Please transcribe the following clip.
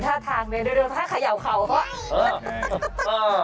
ภาษากลางก็คือมันกวน